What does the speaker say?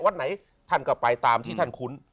วัดไหนท่านก็ไปตามที่ท่านคุ้น